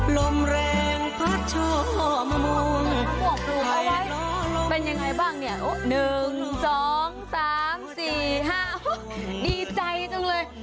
มะม่วงปลูกเอาไว้เป็นยังไงบ้างเนี่ย๑๒๓๔๕ดีใจจังเลย